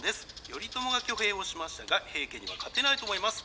頼朝が挙兵をしましたが平家には勝てないと思います。